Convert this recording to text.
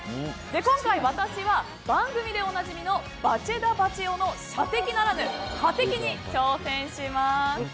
今回、私は番組でおなじみのバチェ田バチェ男の射的ならぬ歯的に挑戦します。